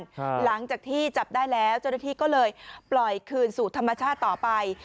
หลังจากที่จับได้แล้วเจ้าหน้าที่ก็เลยปล่อยคืนสู่ธรรมชาติต่อไป